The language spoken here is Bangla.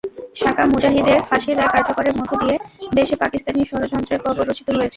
সাকা-মুজাহিদের ফাঁসির রায় কার্যকরের মধ্য দিয়ে দেশে পাকিস্তানি ষড়যন্ত্রের কবর রচিত হয়েছে।